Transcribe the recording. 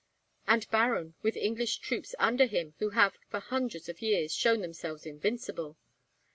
"And, Baron, with English troops under him who have, for hundreds of years, shown themselves invincible!"